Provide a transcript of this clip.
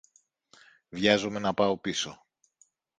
Βιάζομαι να πάω πίσω.